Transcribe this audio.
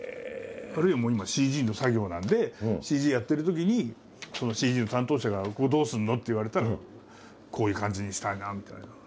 あるいはもう今ＣＧの作業なんでＣＧやってるときにそのＣＧの担当者が「ここどうするの？」って言われたら「こういう感じにしたいな」みたいな。